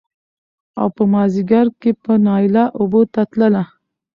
او په مازديګر کې به نايله اوبو ته تله